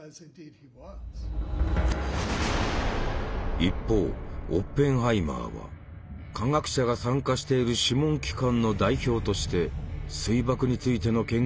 一方オッペンハイマーは科学者が参加している諮問機関の代表として水爆についての見解をまとめ政府に提出した。